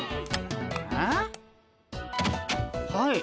はい。